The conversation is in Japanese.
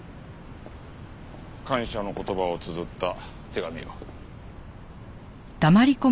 感謝の言葉をつづった手紙を。